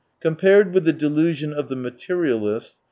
" Compared with the delusion of the materialists